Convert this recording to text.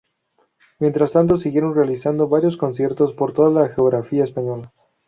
Mientras tanto, siguieron realizando varios conciertos por toda la geografía española.